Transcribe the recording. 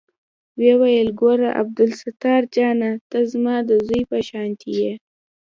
ويې ويل ګوره عبدالستار جانه ته زما د زوى په شانتې يې.